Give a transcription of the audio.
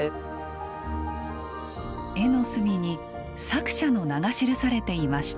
画の隅に作者の名が記されていました。